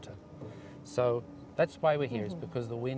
maksud saya anda mengikuti negara